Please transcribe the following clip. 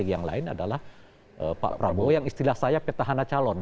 yang lain adalah pak prabowo yang istilah saya petahana calon